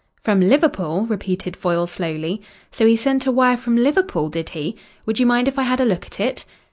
"From Liverpool?" repeated Foyle slowly. "So he sent a wire from Liverpool, did he? Would you mind if I had a look at it?"